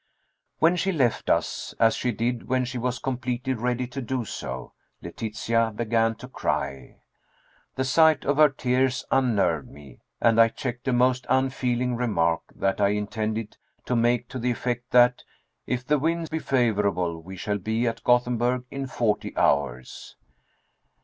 When she left us, as she did when she was completely ready to do so, Letitia began to cry. The sight of her tears unnerved me, and I checked a most unfeeling remark that I intended to make to the effect that, "if the wind be favorable, we shall be at Gothenburg in forty hours."